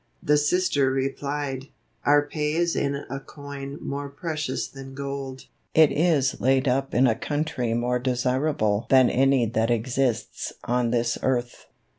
The Sister replied: "Our pay is in a coin more precious than gold; it is laid up in a country more desirable than any that exists on this earth."